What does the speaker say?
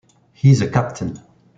He's a captain.